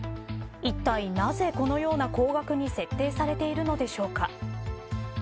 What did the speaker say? いったいなぜ、このような高額に設定されているのでしょうか。